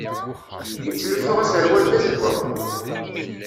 Yettlussu aserwal d azeggaɣ.